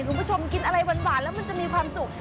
คุณผู้ชมกินอะไรหวานแล้วมันจะมีความสุข